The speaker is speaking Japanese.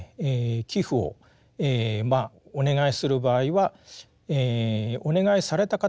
寄附をお願いする場合はお願いされた方のですね